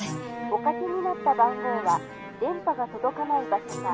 「おかけになった番号は電波が届かない場所か」。